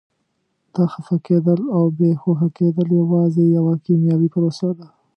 دا خفه کېدل او بې هوښه کېدل یوازې یوه کیمیاوي پروسه ده.